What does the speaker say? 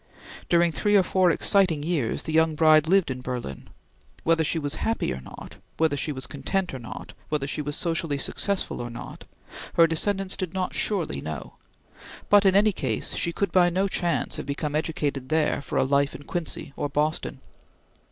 During three or four exciting years, the young bride lived in Berlin; whether she was happy or not, whether she was content or not, whether she was socially successful or not, her descendants did not surely know; but in any case she could by no chance have become educated there for a life in Quincy or Boston.